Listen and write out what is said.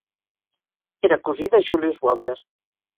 Era cosí de Julius Walter.